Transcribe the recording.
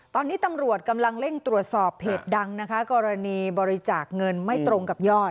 ตอนนี้ตำรวจกำลังเร่งตรวจสอบเพจดังนะคะกรณีบริจาคเงินไม่ตรงกับยอด